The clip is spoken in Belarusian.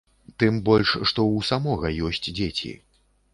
Тым больш, што у самога ёсць дзеці.